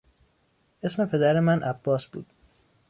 اسم پدر من عباس بود.